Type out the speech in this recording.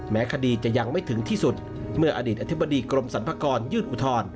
แม้คดีจะยังไม่ถึงที่สุดเมื่ออดีตอธิบดีกรมสรรพากรยื่นอุทธรณ์